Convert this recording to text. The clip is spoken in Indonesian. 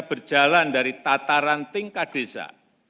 berjalan dari tataran tingkat desa